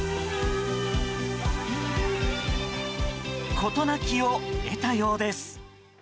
事なきを得たようです。